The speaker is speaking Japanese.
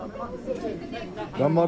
頑張れ。